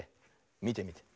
みてみて。